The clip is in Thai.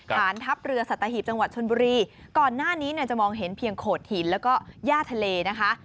ฐานทัพเรือสัตหีบจังหวัดชนบุรีก่อนหน้านี้เนี่ยจะมองเห็นเพียงโขดหินแล้วก็ย่าทะเลนะคะ